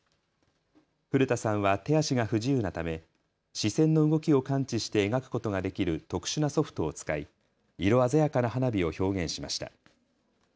古田さんは手足が不自由なため視線の動きを感知して描くことができる特殊なソフトを使い色鮮やかな花火を表現しました。